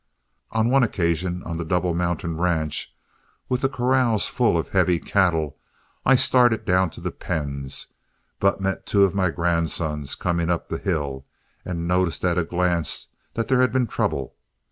On one occasion, on the Double Mountain ranch, with the corrals full of heavy cattle, I started down to the pens, but met two of my grandsons coming up the hill, and noticed at a glance that there had been trouble.